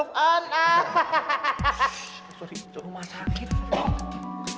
sorry rumah sakit